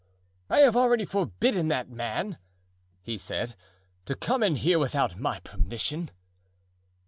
"I have already forbidden that man," he said, "to come in here without my permission."